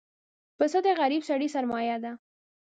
پسه د غریب سړي سرمایه ده.